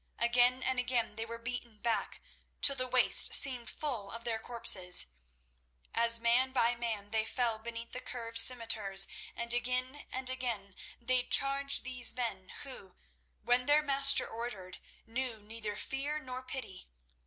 Again and again they were beaten back, till the waist seemed full of their corpses, as man by man they fell beneath the curved scimitars, and again and again they charged these men who, when their master ordered, knew neither fear nor pity.